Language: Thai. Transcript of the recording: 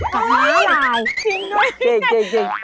หมีหมาลายจริงด้วยจริง